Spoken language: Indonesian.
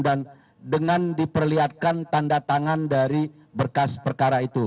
dan dengan diperlihatkan tanda tangan dari berkas perkara itu